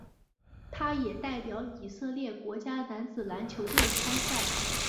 他也代表以色列国家男子篮球队参赛。